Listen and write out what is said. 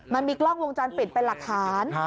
มันมีกล้องวงจรปิดเป็นหลักฐาน